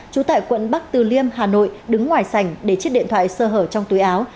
trú tại quận bắc từ liêm hà nội đứng ngoài sành để chiếc điện thoại sơ hở trong túi áo